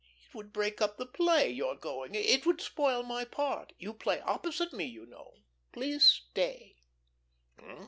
"It would break up the play your going. It would spoil my part. You play opposite me, you know. Please stay."